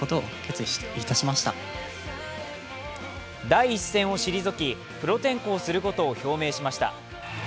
第一線を退き、プロ転向することを表明しました。